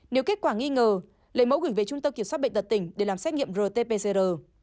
nếu kết quả nghi ngờ lấy mẫu gửi về trung tâm kiểm soát bệnh tật tỉnh để làm xét nghiệm rt pcr